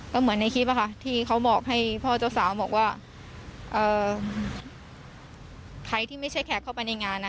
ก็เหมือนในคลิปที่เขาบอกให้พ่อเจ้าสาวบอกว่าใครที่ไม่ใช่แขกเข้าไปในงาน